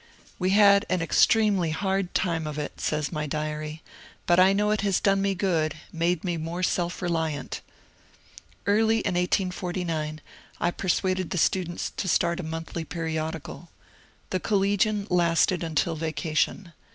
" We had an extremely hard time of it," says my diary, ^' but I know it has done me good, — made me more self reliant." Early in 1849 I persuaded the students to start a monthly periodical. ^^ The Collegian " lasted until vacation.